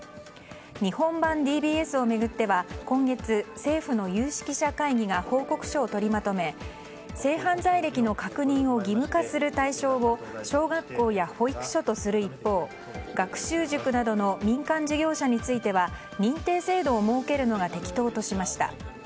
日本版ＤＢＳを巡っては今月、政府の有識者会議が報告書を取りまとめ性犯罪歴の確認を義務化する対象を小学校や保育所とする一方学習塾などの民間事業者については認定制度を設けるのが適当としました。